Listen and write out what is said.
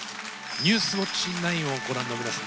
「ニュースウオッチ９」をご覧の皆様